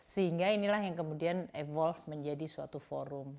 sehingga inilah yang kemudian evolve menjadi suatu forum